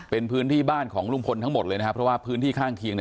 เป็นพื้นที่บ้านของลุงพลทั้งหมดเลยนะครับเพราะว่าพื้นที่ข้างเคียงเนี่ย